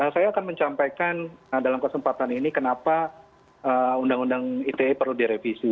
saya akan mencapaikan dalam kesempatan ini kenapa undang undang ite perlu direvisi